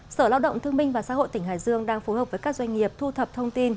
sở lao động thương minh và xã hội tỉnh hải dương đang phối hợp với các doanh nghiệp thu thập thông tin